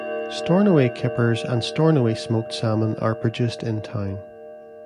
Stornoway kippers and Stornoway smoked salmon are produced in town.